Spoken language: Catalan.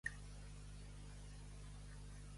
Estar en cervell.